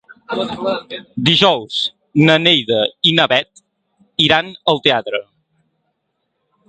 Dijous na Neida i na Bet iran al teatre.